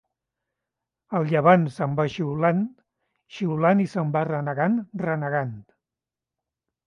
El llevant se'n ve xiulant, xiulant i se'n va renegant, renegant.